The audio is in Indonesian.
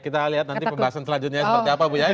kita lihat nanti pembahasan selanjutnya seperti apa bu yaya